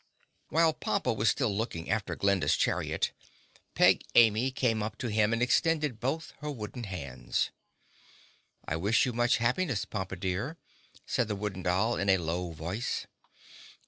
While Pompa was still looking after Glinda's chariot, Peg Amy came up to him and extended both her wooden hands. "I wish you much happiness, Pompa dear," said the Wooden Doll in a low voice.